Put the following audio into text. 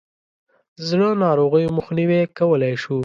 د زړه ناروغیو مخنیوی کولای شو.